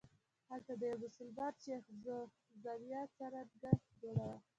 هلته د یوه مسلمان شیخ زاویه څرنګه جوړه وه.